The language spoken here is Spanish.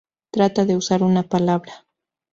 Trata de usar una palabra.